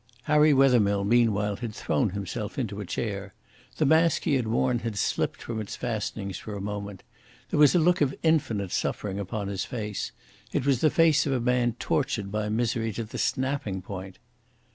Harry Wethermill meanwhile had thrown himself into a chair. The mask he had worn had slipped from its fastenings for a moment. There was a look of infinite suffering upon his face. It was the face of a man tortured by misery to the snapping point.